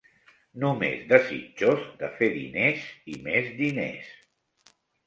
No més desitjos de fer diners, i més diners